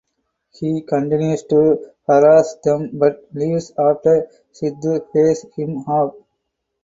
He continues to harass them but leaves after Siddhu pays him off.